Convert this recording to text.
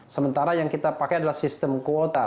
sementara yang kita pakai adalah sistem kuota